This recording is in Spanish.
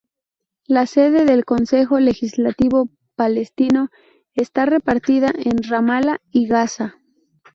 La sede del Consejo Legislativo Palestino esta repartida en Ramala y Gaza.